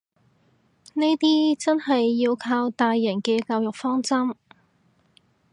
呢啲真係要靠大人嘅教育方針